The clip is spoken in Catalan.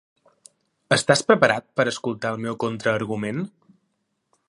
Estàs preparat per a escoltar el meu contraargument?